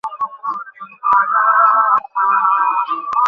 আদালত কাল আবার দুপুর আড়াইটায় শুনানির জন্য পরবর্তী সময় নির্ধারণ করেছেন।